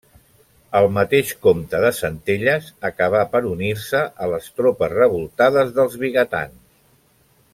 El mateix Comte de Centelles acabà per unir-se a les tropes revoltades dels Vigatans.